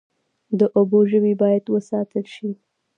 د اوبو ژوي باید وساتل شي